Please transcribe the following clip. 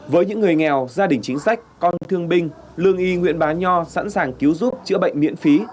với những người nghèo gia đình chính sách con thương binh lương y nguyễn bá nho sẵn sàng cứu giúp chữa bệnh miễn phí